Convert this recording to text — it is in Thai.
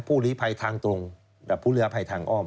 หลีภัยทางตรงกับผู้เหลือภัยทางอ้อม